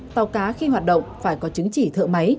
tàu cá khi hoạt động phải có chứng chỉ thợ máy